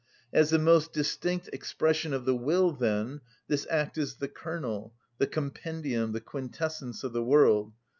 As the most distinct expression of the will, then, this act is the kernel, the compendium, the quintessence of the world.